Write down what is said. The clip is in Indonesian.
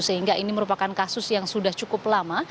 mengatakan kasus yang sudah cukup lama